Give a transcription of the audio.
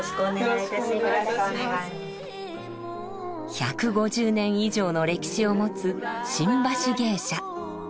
１５０年以上の歴史を持つ新橋芸者。